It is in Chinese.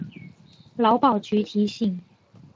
劳保局提醒